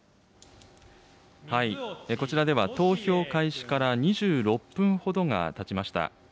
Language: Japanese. こちらでは、投票開始から２６分ほどがたちました。